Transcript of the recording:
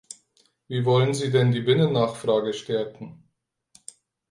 Wie wollen Sie denn die Binnennachfrage stärken?